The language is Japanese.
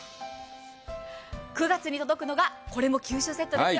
９月に届くのが九州セットですよ。